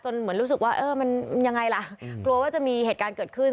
เหมือนรู้สึกว่าเออมันยังไงล่ะกลัวว่าจะมีเหตุการณ์เกิดขึ้น